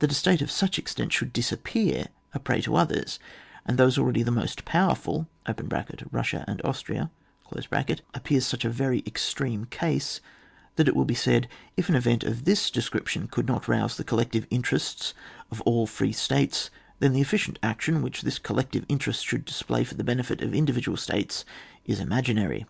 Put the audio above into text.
That a state of such extent shoxdd disappear, a prey to others, and those already the most powerful (Russia and Austria), appears such a very extreme case that it will be said, if an event of this description could not rouse the collective interests of all free states, then the efficient action which this collective interest should display for the benefit of individual states is ima ginary.